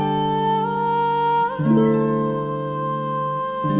อ่าแต่ดูดูกันอย่างเงี้ย